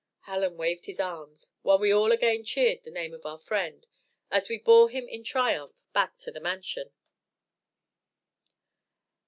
Hallen waved his arms, while we all again cheered the name of our friend, as we bore him in triumph back to the Mansion.